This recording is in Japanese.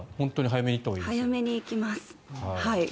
早めに行きます。